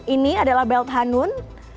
ini adalah belt hanun